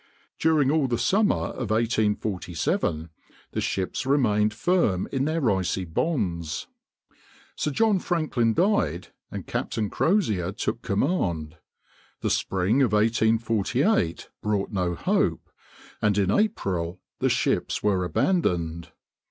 During all the summer of 1847 the ships remained firm in their icy bonds. Sir John Franklin died, and Captain Crozier took command. The spring of 1848 brought no hope, and in April the ships were abandoned.